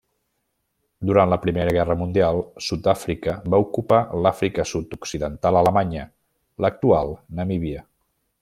Durant la Primera Guerra Mundial, Sud-àfrica va ocupar l'Àfrica Sud-occidental alemanya, l'actual Namíbia.